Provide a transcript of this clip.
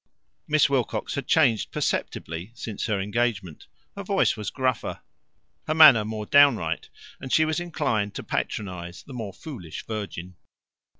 Miss Wilcox had changed perceptibly since her engagement. Her voice was gruffer, her manner more downright, and she was inclined to patronize the more foolish virgin.